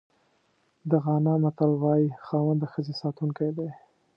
د غانا متل وایي خاوند د ښځې ساتونکی دی.